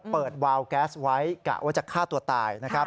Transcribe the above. เปิดวาวแก๊สไว้กะว่าจะฆ่าตัวตาย